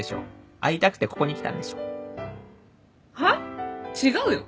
会いたくてここに来たんでしょ？は⁉違うよ。